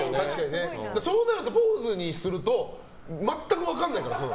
そうなると坊主にすると全く分からないから。